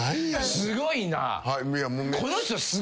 すごいな。